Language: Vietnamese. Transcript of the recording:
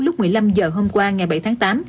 lúc một mươi năm h hôm qua ngày bảy tháng tám